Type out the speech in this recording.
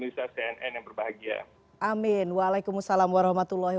salam sehat selalu bagi seluruh pemerintah cnn yang berbahagia